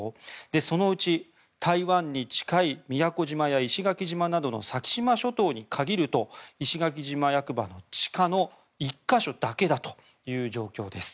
そのうち台湾に近い宮古島や石垣島などの先島諸島に限ると石垣島役場の地下の１か所だけだという状況です。